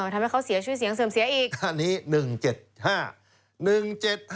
ทำให้เขาเสียชื่อเสียงเสิร์มเสียอีก